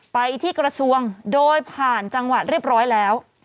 ไปที่กระทรวงโดยผ่านจังหวัดเรียบร้อยแล้ว